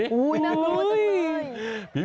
โอ้โฮน่ากลัวจังเลย